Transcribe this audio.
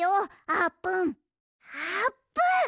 あーぷん！